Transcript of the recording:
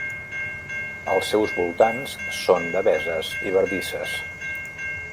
Els seus voltants són deveses i bardisses.